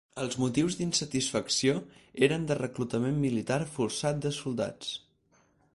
Els motius d'insatisfacció eren de reclutament militar forçat de soldats.